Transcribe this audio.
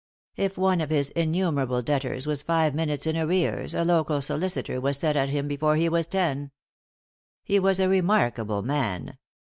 If one of his innumerable debtors was five minutes in arrears, a local solicitor was set at him before he was ten. He was a remarkable man.